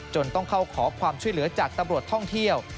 ต้องเข้าขอความช่วยเหลือจากตำรวจท่องเที่ยว